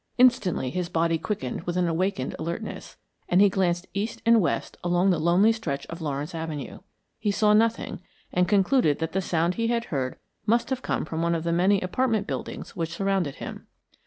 Instantly his body quickened with an awakened alertness, and he glanced east and west along the lonely stretch of Lawrence Avenue. He saw nothing, and concluded that the sound he had heard must have come from one of the many apartment buildings which surrounded him.